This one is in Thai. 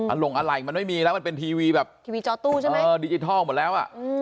อัลหลงอัลไหลน์มันไม่มีแล้วมันเป็นทีวีดิจิทัลหมดแล้ว